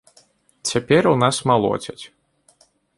Цяпер у нас малоцяць.